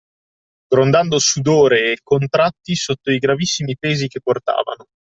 Grondando sudore e contratti sotto i gravissimi pesi che portavano